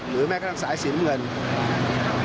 หรือแม้กระทั่งสายสีเมือง